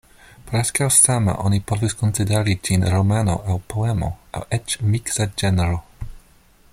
Preskaŭ same oni povus konsideri ĝin romano aŭ poemo, aŭ eĉ miksa ĝenro.